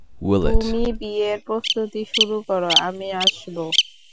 তুমি বিয়ের প্রস্তুতি শুরু করো, আমি আসবো।